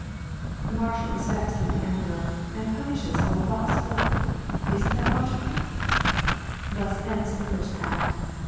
*' The marshal is vexed with the emperor, and punishes ail of us for IL Isn't that logical ? Thus ends the first act.